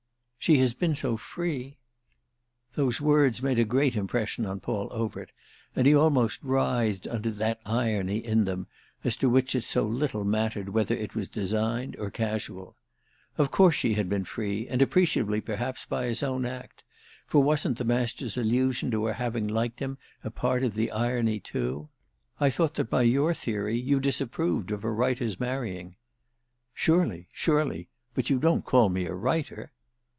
"She has been so free!" Those words made a great impression on Paul Overt, and he almost writhed under that irony in them as to which it so little mattered whether it was designed or casual. Of course she had been free, and appreciably perhaps by his own act; for wasn't the Master's allusion to her having liked him a part of the irony too? "I thought that by your theory you disapproved of a writer's marrying." "Surely—surely. But you don't call me a writer?"